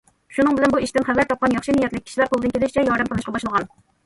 شۇنىڭ بىلەن بۇ ئىشتىن خەۋەر تاپقان ياخشى نىيەتلىك كىشىلەر قولىدىن كېلىشىچە ياردەم قىلىشقا باشلىغان.